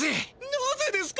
なぜですか！？